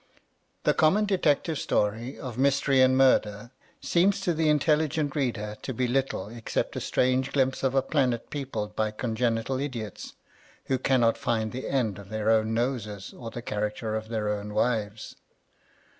The common detect ive story of mystery and murder seems to the intelligent reader to be little except a strange glimpse of a planet peopled by con genital idiots, who cannot find the end of their own noses or the character of their own wives.